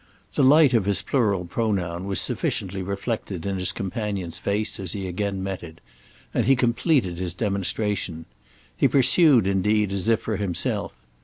The light of his plural pronoun was sufficiently reflected in his companion's face as he again met it; and he completed his demonstration. He pursued indeed as if for himself.